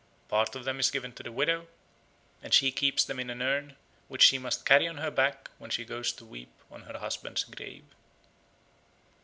Part of them is given to the widow, and she keeps them in an urn, which she must carry on her back when she goes to weep on her husband's grave.